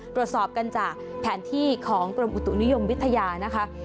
ตรวจสอบกันจากแผนที่ของกรมอุตุนิยมวิทยานะคะ